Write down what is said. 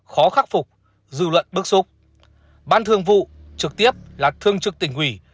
khó khắc phục dư luận bức xúc ban thương vụ trực tiếp là thương trực tỉnh ủy